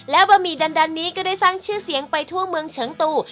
และบะหมี่ดันนี้ก็ได้สร้างชื่อเสียงไปทั่วเมืองเฉิงตู